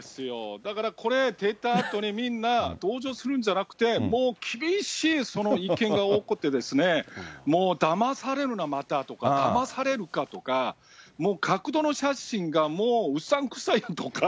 だから、これ、出たあとに、みんな同情するんじゃなく、もう厳しい意見が多くて、もうだまされるな、またとか、だまされるかとか、もう、角度の写真がもううさんくさいとか。